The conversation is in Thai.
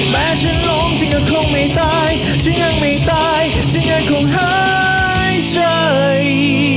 ฉันล้มฉันก็คงไม่ตายฉันยังไม่ตายฉันยังคงหายใจ